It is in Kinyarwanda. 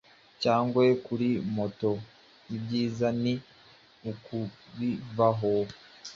cyangwa kuri moto, ibyiza ni ukubivaho